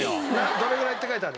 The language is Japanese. どれぐらいって書いてある？